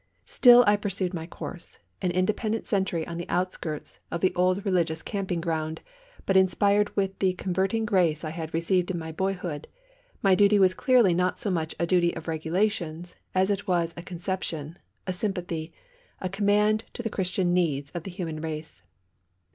Still I pursued my course, an independent sentry on the outskirts of the old religious camping ground, but inspired with the converting grace I had received in my boyhood, my duty was clearly not so much a duty of regulations as it was a conception, a sympathy, a command to the Christian needs of the human race.